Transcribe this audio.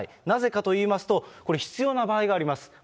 なぜかと言いますと、これ、必要な場合があります。